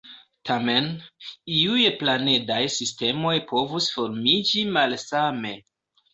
Tamen, iuj planedaj sistemoj povus formiĝi malsame.